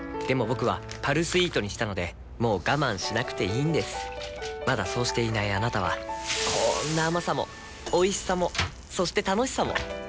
僕は「パルスイート」にしたのでもう我慢しなくていいんですまだそうしていないあなたはこんな甘さもおいしさもそして楽しさもあちっ。